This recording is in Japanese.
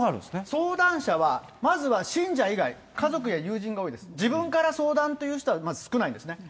相談者は、まずは信者以外、家族や友人が多いです、自分から相談という人はまず少ないんですね。